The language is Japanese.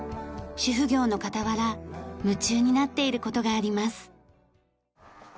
主婦業の傍ら夢中になっている事があります。